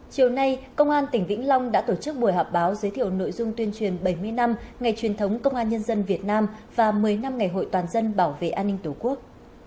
chiều nay công an tỉnh vĩnh long đã tổ chức buổi họp báo giới thiệu nội dung tuyên truyền bảy mươi năm ngày truyền thống công an nhân dân việt nam và một mươi năm ngày hội toàn dân bảo vệ an ninh tổ quốc